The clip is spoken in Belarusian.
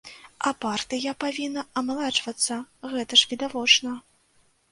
А партыя павінна амаладжвацца, гэта ж відавочна.